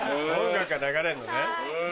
音楽が流れんのね。